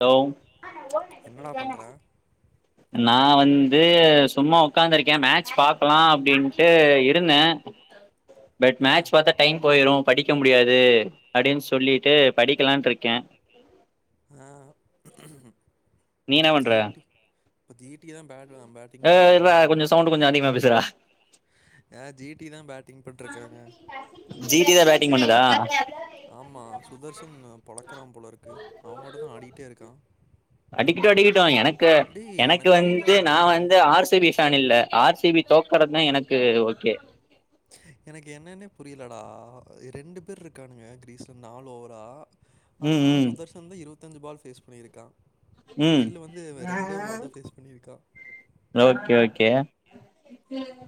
Hello அ நா ஓ நெகட்டிவ் என்னடா தா பண்ற? நா வந்து சும்மா ஒக்காந்துருக்கே மேட்ச் பாக்கலா அப்டின்ட்டு இருந்தே பட் ஆ மேட்ச் பாத்தா டைம் போயிரு படிக்க முடியா து அப்டின் சொல்லிட்டு படிக்கலான் இருக்கே ஆஹ் நீ என்ன பண்ற ஜீட்டு இப்ப ஜி டி எ தா பேட் நா பேட்டிங் இர்றா பண்ட்டுருக்காங்க கொஞ்சோ சவுண்ட் கொஞ்சோ அதிகமா பேசுறா அ ஜீடீ தா பேட்டிங் பண்ணிட்டுருக்காங்க ஜி டி தா பேட்டிங் பண்ணுதா ஆமா சுதர்சன்னு ப்பராம் போல இருக்கு இருக்கான் அடிக்கட்டு அடிக்கட்டு எனக்கு டேய் எனக்கு வந்து புரியலடா நா வந்து ஆர் சி பி ஃபேன் இல்ல ஆர் சி பி பி தோக்கறதுதா எனக்கு ஓகே எனக்கு என்னன்னே புரியலடா அ ரெண்டு பேரு இருக்கானுங்க கிரீஸ்ல நாலு ஓவரா ஆனா ம் ம் சுதர்சன்தா இருவத் தஞ்சு பால் ஃபேஸ் பண்ணிருக்கா ம் கில்லு வந்து ரெண்டே பால்தா ஃபேஸ் பண்ணிருக்கா ஓகே ஓகே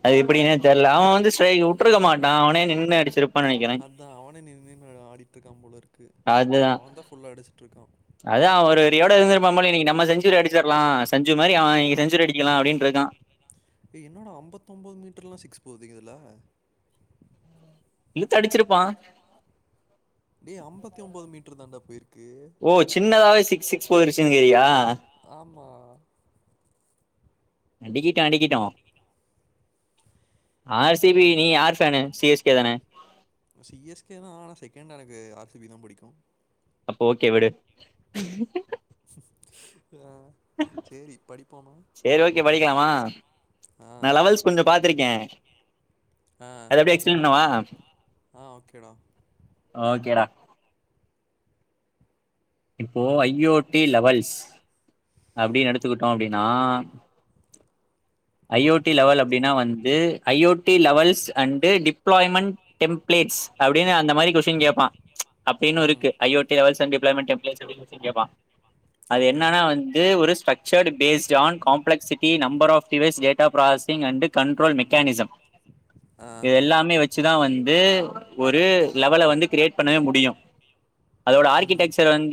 அது எப்டினே தெர்ல அவ வந்து ஸ்ட்ரை உட்டுருக்க மாட்டா அவனே நின்னு அடிச்சிருப் அதா அவனே நின் நின்னு ஆடிட்ருக்கா போலருக்கு அதுதா அவந்தா ஃபுல்லா அடிச்சிட்ருக்கா ஞ்சுரி அடிச்சுர்லா சஞ்சு மாரி அவ நீங்க செஞ்சுரி அடி க்கலா அப்டின்ருக்கா ஏ என்னடா அம்பத்தொம்போது மீட்ருலா சிக்ஸ் போது இதுல இலுத்து அடிச்சிருப்பா டே அம்பத்தி ஒம்போது மீட்ரு தாண்டா விர் ஓ சின்னதாவே சிக்ஸ் சிக்ஸ் போய்ருச் சுங்கிறியா ஆமா அடிக்கிட்டு அடிக்கிட்டோ ஆர் சி பி நீ யார் ஃபேனு சி எஸ் கே தானே சி எஸ் கே தா ஆனா செகண்ட் எனக்கு ஆர் சி பி தா புடிக்கு அப்போ ஓகே விடு ஆஹ் சேரி படி சேரி ஓகே படிக்கலாமா ஆ நா லெவல்ஸ் கொஞ்ச பாத்திருக்கே ஆ அத அப்புடியே எக்ஸ்பிளேன் பண்ண வா ஆ ஓகேடா ஒகே இப்போ ஐ ஓ டி லெவல்ஸ் அப்டின் எடுத்துகிட்டோ அப்டின்னா ஐ ஓ டி ஆ லெவல் அப்டின்னா வந்து I O T levels and tip employment templates அப்டின்னு அந்த மாரி கொஸ்டின் கேப்பா ம் அப்படின்னுருக்கு ஐயோட்டிளவல்ஸ் சட்டிபி ப்ளேமென்ட் [inaudible] சி கேப்பா அது ஓகே என்னன்னா வந்து ஒரு ஸ் செட் பேஸ் ஜான் பிளக்சிட்டி number of device data parsing and control mechanism ஆ இது எல்லாமே வச்சு இதுதா வந்து ஒரு லெவல வந்து கிரியேட் பண்ணவே முடியு அதோட ம் ஆர்கிடெக்சர் வந்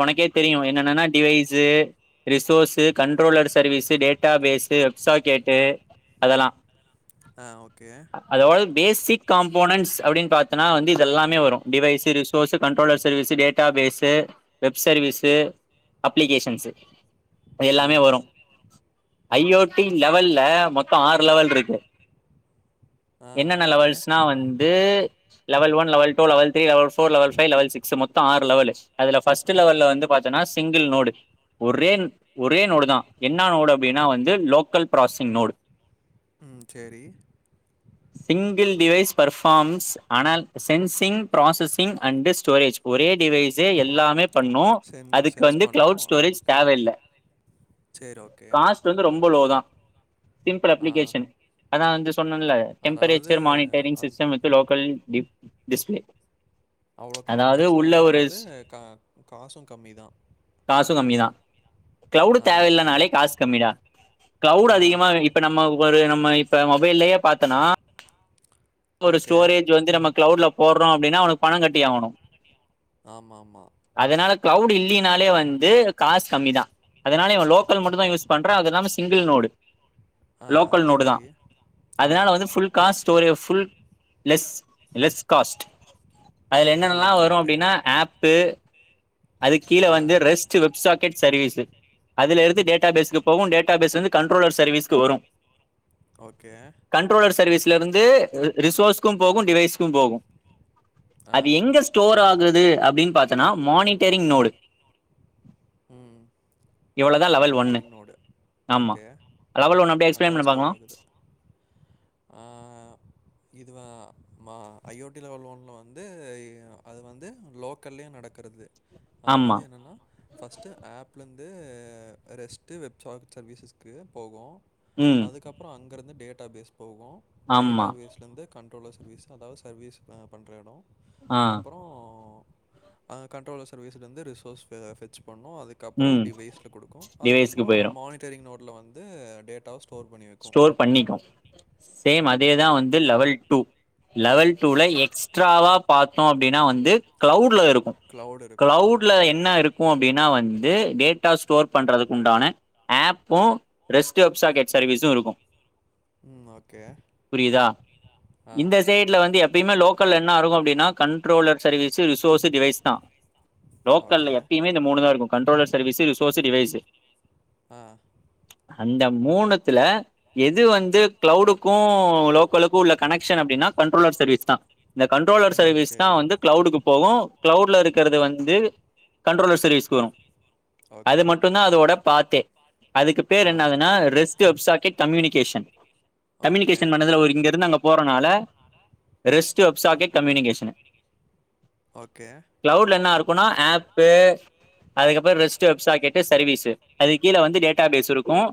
உனக்கே தெரியு என்னன்ன device resource controller service data base வெப்சாெகேட் அதெல்லா ஆ ஓகே பேசிக் காம்போனன்ட்ஸ் அப்படின்னு பார்த்தன்னா வந்து இது எல்லாமே வரும் device resource controller service data base web service applications ஆ எல்லாமே வரும் ஐ ஓ டி லெவல்ல மொத்தோ ஆறு லெவல் இருக்கு ஆ என்னென்ன ஓகே லெவல்ஸ்னா வந்து level one level two level threes web level four level six ஆறு லவல் அதுல பஸ்ட் பிப்து லெவல்ல வந்து பாத்தினா சிங்கிள் நோடு ஒரே ஒரே நோடு தா என்ன நோடு அப்படின்னா வந்து லோக்கல் பராசிசிங் நோட் ம் சேரி சிங்கிள் டிவைஸ் பர்ஃபார்ம்ஸ் அனல் சென்சிங் ப்ராசஸிங் அண்ட் ஸ்டோரேஜ் ஒரே டிவைஸ்ஸே எல்லாமே பண்ணு சென் அதுக்கு சென்ஸ் வந்து பண்ணும் கிளவுட் ஆ ஸ்டோரேஜ் ஓகே தேவையில்ல சரி ஓகே காஸ்ட் வந்து ரொம்ப லோ தா சிம்பல் ஆ அப்ளிகேஷன் அதா வந் சொன்னேல்ல அதாவது டெம்பரேச்சர் மானிட்டரிங் அந் சிஸ்டம் வித் லோக்கல் டிப் டிஸ்ப்ளே அவ்ளோ காம்ப்ளெக்ஸாவும் இருக்காது கா காசும் கம்மி தா காசு கம்மிதா கிளவுடு் ஓகே தேவையில்லனாலே காசு கம்மிடா கிளவுட் ஆ அதிகமா இப்ப நம்ம ஒரு நம்ம இப்ப மொபைல்லயே பாத்தனா ஒரு ஓகே ஸ்டோரேஜ் வந்து நம்ம கிளவு போட்றோ அப்டின்னா அவனுக்கு பணம் கட்டி ஆவணு ஆமாம்மா க்ளவுட் இல்லினாலே வந்து காசு கம்மி தா அதனால இவன் லோக்கல் மட்டுந்தான் யூஸ் பண்றா அதுலாம சிங்கிள் நோடு ஆ லோக்கல் நோடு தா சரி ஆ அதனால வந்து புல் காஸ் ஸ்டோர் எஃப் லெஸ் லெஸ் காஸ்ட் அதுல என்னெல்லா ம் வரும் ஓகே அப்டின்னா ஆப்பூ அது கீழ ஆ வந்து ரெஸ்ட் வெப்சாக்கெட் சர்வீஸு அதுலெடுத்து டேட் டேட்டாபேஸ்க்கு போவும் டேட்டா பேஸ்லந்து கண்ட்ரோலர் சர்வீஸ்கு வரும் கண்ட்ரோலர் சர்வீஸ்லருந்து ரிசோர்ஸ்க்கு போகு டிவைஸ்க்கு போகு அது எங்க ஸ்டோர் ஆகுது அப்டின் பாத் கனா மானிட்டரிங் நோடு ம் இவ்வளவுதான் லெவல் ஒன்னு மானிட்டரிங் நோடு ஆமா ஓகே லெவல் ஒன் அப்படியே அங்க எக்ஸ்பிளைன் தா பண்ணி ஸ்டோர் பார்க்கலாம் ஆகுது ஆ இதுவ மா ஐ ஓ டி லெவல் ஓன்னுல வந்துய் அது வந்து லோக்கல்லயு நடக்குறது ஆமா அதாவது என்னன்னா ஃபஸ்ட்டு ஆப்லந்து ரெஸ்ட்டு வெப்சாக் சர்வீஸஸ்க்கு போகூ ம் அதுக்கப்றொ அங் இங்கருந்து டேட்டா பேஸ் போகூ டேட்டா ஆமா பேஸ்லந்து கண்ட்ரோலர் சர்வீஸ் அதாவது சர்வீஸ் அ பண்ற எடொ ஆ அப்புறோ அங்க கண்ட்ரோலர் சர்வீஸ்லந்து ரிசோர்ஸ் பெ ஃபெச் பண்ணு அதுக்கப்புறோ ம் டிவைஸ்ல குடுக்கு டிவைஸ்க்கு அதுக்கப்றோ போயிடும் மானிட்டரிங் நோட்ல வந் உ டேட்டவ்ஸ் ஸ்டோர் பண்ணிக்கு சேம் அத் தேதான் வந்து லெவல் டூ லெவல் டூல எக்ஸ்ட்ராவா பாத்தோ அப்டினா வந்து கிளவுட்லருக் க்ளவுட் இருக்கும். ஆ. கிளவுட்ல என்ன இருக்கு அப்டினா வந்து டேட் ட்டா ஸ்டோர் பண்றதுக்கு உண்டான ஆப்பும் ரெஸ்ட் வெப்ஸா கெட சர்வீஸு இருக்கும் ம் ஓகே புரியுதா ஆ இந்த சைட்ல வந்து எப்புமே லோக்கல்ல என்னாருக்கு அப்டின்னா கண்ட்ரோலர் சர்வீஸ்ஸு ரிசோர்ஸு டிவைஸ் தா ஓகே லோக்கல்ல எப்பயுமே இந்த மூணு தா இருக்கும் கண்ட்ரோலர் சர்வீஸ் ரிசோர்ஸ் டிவைஸ் ஆ அந்த மூணு ல எது வந்து கிளவுடுக்கும் லோக் [unintelligible] கணேக்க்ஷன் அப்டினா கண்ட்ரோலர் சர்வீஸ் தான் அந்த கன்ட்ரோலர் ம் சர்விஸ் சரி தான் வந்து கிளவுட்க்கு போகும் கிளவுட்ல இருக்குறது வந்து கண்ட்ரோலர் சர்விஸ் [unintelligible] அது ஓகே மட்டும் தான் அதோட பார்த்தே அதுக்கு பேர் ஆ என்னதுனா ரெஸ்க் கம்யூனிகேஷன் ஓகே கம்யூனிகேஷன் பண்ணதுல ஒரு இங்க இருந்து அங்க போறனால ரெஸ்ட் வெப்சாக்கெட் கம்யூனிகேஷன் ஓகே கிளவுட்ல என்ன இருக்கும்னா ஆப்பு அதுக்கப்புறம் ரெஸ்ட் வெப் சாக்கெட் சர்வீஸ் அது கீழே வந்து டேட் டா பேஃசிருக்கும்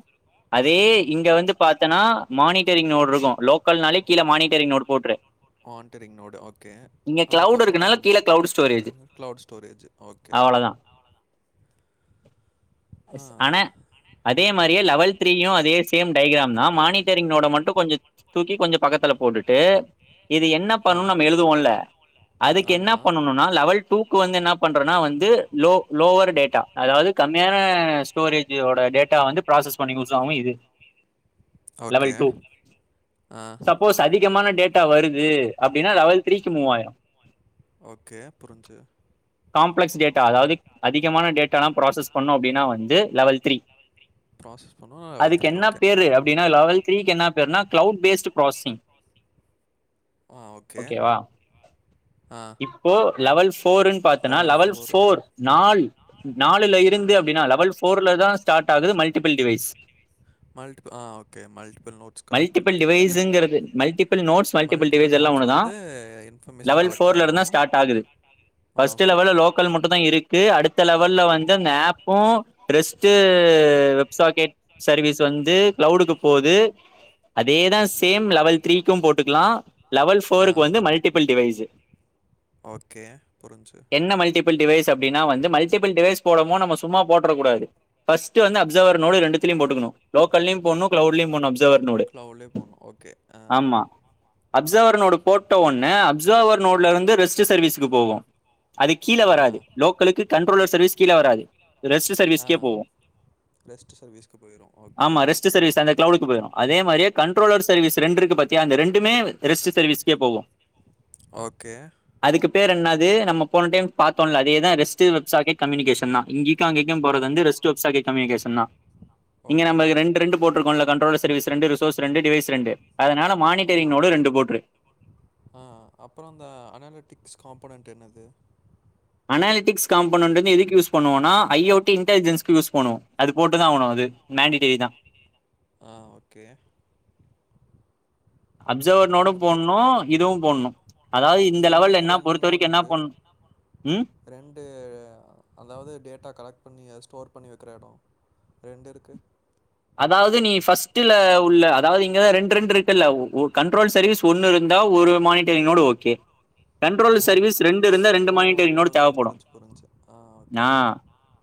அதே இங்க வந்து பார்த்தனா மானிட்டரி் நோட் இருக்கும் லோக்கல்னாலே கீழ மானிட்டரி் நோட போட்டுரு மானிட்டரிங் நோடு ஓகே இங்க கிளவுட் இருக்குனால அதுக்கப்புறம் கீழ cloud storage cloud storage okay அவ்ளதான் ஆ ஆனா அதே மாதிரியே லெவெல் சேம் டைக்கிராம் தான் மானிட்டரினோட மட்டு கொஞ்ச தூக்கி கொஞ்ச பக்கத்துல போட்டுட்டு இது என்ன ஆ பண்ண நம் எழுதுவோம்ல அதுக்கு என்ன ஆமாம் பண்ணும்னா லெவல் டூ இப்ப வந்து என்ன பண்றனா வந்து லோவர் டேட்டா அதாவது கம்மியான ஸ்டோரேஜ் வோட டேட்டா வந்து ப்ராசஸ் பண்ணி குசாவு இது லெவல் ஓகே டூ ஆ சப்போஸ் அதி முக்கியமான டேட்டா வருது அப்டின்னா லெவல் த்ரீக்கு மூவாயிரு ஓகே புரிஞ்சு காம்ப்லக்ஸ் டே டா அதாவது அதிகமான டேட்டால்லா ப்ராசஸ் பண்ணு அப்டின்னா வந்து லெவல் த்ரீ ப்ராசஸ் பண்ணுவோம் லெவல் அதுக்கு த்ரீ என்ன ஓகே பேரு அப்டினா லவல் த்ரீக்கு என்னாப் பேர்னா க்ளவுட் பேஸ்டு ப்ராஸ்சிங் ஆ ஓகே ஓக்கேவா ஆ இப்போ லவல்ஸ் ஃபோருன் பாத்தனா லெவல் லவல் பார்த்தோன்னா ஃபோர் நால் நாலுல இருந்து அப்டினா லவல் ஃபோருல தா ஸ்டாட் ஆகுது மல்ட்டிப் பிள் டிவைஸ் மல்டிபிள் ஆ okay multiple nodes collect multiple information டிவைஸ்ங்குறது information. Multiple nodes multiple device எல்லா மல்டிபிள் நோட்ஸ் ஒன்னுதா கலெக்ட் வந்து device information level collect level ஃபோர்லந்தா பண்ணோம் ஸ்டாட் ஆகுது ஆ ஃபஸ்ட்டு ஓகே லவல்ல லோக்கலு மட்டுதா இருக் அடுத்த லெவல்ல வந்து அந்த ஆப்போ ரெஸ்ட்டு வெப் சோகேட் சர்வீஸ் வந்து க்ளவுடுக்கு போது அதேதா சேம் லவல் த்ரீக்கும் போட்டுக்லா லவல் ஆ ஃபோருக் வந்து மல்ட்டிப்புள் டிவைஸு ஓகே புரிஞ்சு என்ன மல்ட்டிபுள் டிவைஸ் அப்டினா வந்து மல் டிபிள் டிவைஸ் போடமோ நம்ம சும்மா போட்றகூடாது ஃபஸ்ட்டு வந்து அப்ஸ் சோவர் நோடு ரெண்டுத்துலியு போட்டுக்குணு லோக்கல்யு போட்ணு க்ளவுட்லியு போட்னு அப்ஸ் சவர்னோடு க்ளவுட்லேயே போகணும் ஓகே ஆ ஆமா அப்சவர்னோடு போட்ட ஒன்னே அப்சர்வர் நோட்ல வந்து ரெஸ்ட்டு சர்வீஸ்க்கு போவோ அதுக் கீழ ஆ வராது லோக்கலுக்கு கண் [unintelligible] சர்வீஸ் கீழ வராது இத் ரெஸ்ட்டு ஆ சர்வீஸ்க்கே போவோ ரெஸ்ட் சர்வீஸ்க்கு போயிரு ஓகே போய்றோ அதே மாரியே கண்ட்ரோலர் சர்வீஸ் ரெண்ட்ருக்கு பாத்தியா அந்த ரெண்டுமே வ ரெஸ்ட்டு சர்வீ்க்கே போவோ ஓகே பேர் என்னாது நம்மோ போன டைம் பாத்தோல்ல அதே தா ரெஸ்ட்டு வெப் சாக்கேட் கம்யூனிகேஷன் தா இங்கி அங்கிக்கு போறது வந்து ஆமா. ரெஸ்ட்டு வெப் சாக்கேட் கம்யூனிகேஷன் தா இங்க ஓகே. நம்பக்கு ரெண்டு ரெண்டு போட்ருக்கோ ஒன்ல கண்ட்ரோலு சர்வீஸ் ரெண்டு ரிசோர்ஸ் ரெண்டு டிவைஸ் ரெண்டு அதனால மானிட்டரிங்னோடு ரெண்டு போட்ரு ஆ அப்புறோ அந்த அனாலிட்டிக்ஸ் காம்போனன்ட் என்னது அனாலிட்டிக்ஸ் காம்போனன்ட்டு வந்து எதுக்கு யூஸ் பண்ணுவோனா ஐ ஓ டி இன்டேலிஜன்ஸ்க்கு யூஸ் பண்ணுவோ அது போட்டுதா ஆவணோ அது மேண்டிடரி தா ஆ ஓகே அது அப்சர்வர்னோடும் வந்து போடணும் இதுவும் போடணும் அதாவது இந்த இதுலயு லெவல்ல என்ன ரெண்டு பொறுத்த வரைக்கும் என்ன நோட்ருக்கு பண்ணும் ம் ரெண்டு அதாவுது டேட்டா கலக் பண்ணி அது ஸ்டோர் பண்ணி வக்கிற எடோ ரெண்ருக்கு அதாவ்து நீ ஃபஸ்ட்டுல உள்ள அதாவுது இங்கதா ரெண் ரெண்ருக்குல்ல உ உ கண்ட்ரோல் சர்வீஸ் ஒன்னுருந்தா ஒரு மானிட்டரிங்நோடு ஓக்கே கண்ட்ரோலு ஆஹா. சர்வீஸ் ரெண்டு இருந்த ரெண்டு ஓ! ஓகே, மானிட்டர்ங்நோடு ஓகே. தேவப்படு புரிஞ்சுச்சு, புரிஞ்சுச்சு. ஆ, நா ஓகேடா.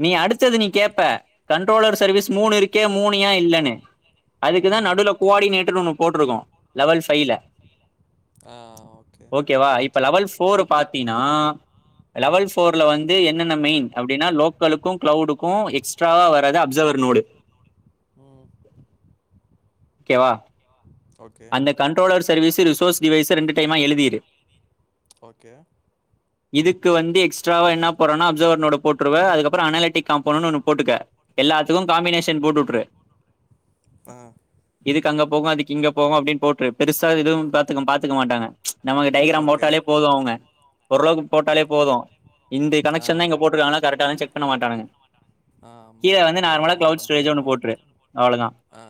நீ அடுத்தது நீ கேப் ப கண்ட்ரோலர் சர்வீஸ் மூணு இருக்கே மூனியா இல்லன்னு அதுக்கு தா ம். நடுல கோஆர்டினேட்டர் ஒன்னு போட்ருக்கோம் லெவல் ஃபைவ்ல ஆ, ஓகே. ஓகேவா இப்ப புரிஞ்சுச்சு. லெவல் ஆ. ஃபோர் பாத்தீனா லெவல் ஃப் ஃபோர்ல வந்து என்னென்ன மெயின் அப்டின்னா லோக்கலுக்கு கிளவுடுக்கு எக்ஸ்ட்ராவா வராது அப்சர்வர் நோடு [inaudible] ஓகே வா ஓகே அந்த கண்ட்ரோலர் சர்வீஸ் ரிசோர்ஸ் டிவைஸ் ரெண்டு டைமா எழுதிடு ஓகே இதுக்கு வந்து எக்ஸ்ட்ராவா என்ன போறனா அப்சர்வர்னோட போட்டுருவே அதுக்கப்புறோ அனாலிட்டிக் காம்போன்னு ஒன்னு போட்டுக்க எல்லாத்துக்கு காம்பினேஷன் போட்டுட்டுரு ஆ இதுக்கு அங்க போகு அதுக்கு இங்க போகு அப்டின்னு போட்ரு பெருசா இதுவும் பாத்து பாத்துக்க மாட்டாங்க நமக்கு டைகிராம் ஓகே போட்டாலே போது அவ்ங்க ஓரளவுக்கு ஓ போட்டாலே போது இந்த ஆ கனெக்க்ஷன் தா இங்க போட்ருக்காங்ளா கரெக்ட் செக் பண்ண மாட்டானுங்க ஆ ஆமா கீழ வந்து நார்மலா டைகிராம் கிளவுட் ஸ்டோரேஜ் வரைஞ்சாலே ஒன்னு மார்க் போட்டுரு போட்ரு அவ்வளவுதான் ஆ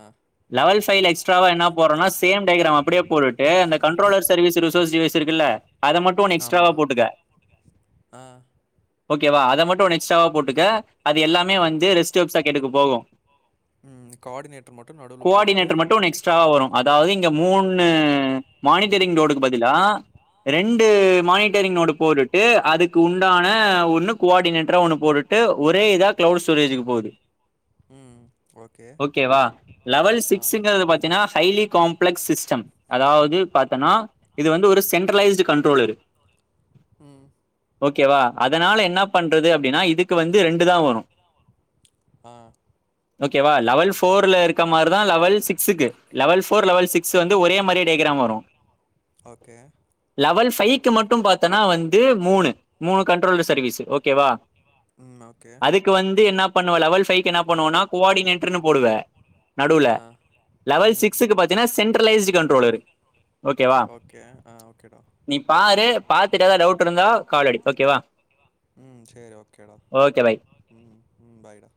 லெவல் ஃபைல்ல எக்ஸ்டராவா என்ன போறோனா சேம் டைகிராம் அப்டிய போட்டுட்டு அந்த கண்ட்ரோலர் சர்வீஸ் ரிசோஸ் டிவைஸ் இருக்குள்ள அத மட்டு ஒன்னு எக்ஸ்ட்ராவா ஆமாம் போட்டுக்க ஆ ஓகேவா அத மட்டு ஒன்னு எக்ஸ்ட்ராவாக போட்டுக்க அது எல்லாமே வந்து ரெஸ்ட்டோப் ஸர்க்கெட்டுக்கு போகு ம் கோடினேட் கோர்டினேட்டர் மட்டு ஒன்னு எக்ஸ்ட்ராவா வரு அதாவது இங்க மூணு ஆமாம் மானிட்டரிங்லோடு கு பதிலா ரெண்டு மானிட்டரிங்னோடு போரிட்டு அதுக்கு உண்டான ஒன்னு கோடினேட்றா ஒன்னு போடுட்டு ஒரோ இதா கிளவுட் ஸ்டோரேஜ்ஜுக்கு போவுது ஓகே லெவல் ஆ சிக்ஸுங்கிறது பாத்தீன்னா ஹைலி காம்ப்ளெக்ஸ் சிஸ்டம் அதாவது பாத்தன்னா இது வந்து ஒரு சென்ட்ரலைஸ்ட் கண்ட்ரோலரு ம் ஓகேவா அதனால என்ன பண்றது அப்டின்னா இதுக்கு வந்து ரெண்டு தா வரு ஆ ஓகேவா லெவல் ஃபோர்ல இருக் க்க மாரி தா லெவல் சிக்ஸ்ஸுக்கு லெவல் ஃபோர் லெவல் சிக்ஸ் வந்து ஒரே மாரியே டைகிராம் வரு ஓகே லெவல் ஃபைக்கு மட்டும் பாத்தனா வந்து மூணு மூணு கண்ட்ரோல்டு சர்வீஸ்சு ஓகேவா ம். ஓகே. அதுக்கு வந்து என்னப் பண்ணுவ லெவல் பைக்கு என்ன பண்ணுவம்னா கோஆடினேட்டர்னு போடுவ நடுல ஆ. லெவல் ம். சிக்ஸுக்கு பாத்தீனா சென்டர்ல் [unintelligible] கண்ட்ரோலறு ஓகேவா ஓகே. ஆ. ஓகேடா. நீ பாரு பாத்துட்டு ஏதோ டவுட் இருந்தா கால் அடி ஓகேவா ம் சரி ஓகேடா ஓகே பாய் ம் ம் ஃபாய்டா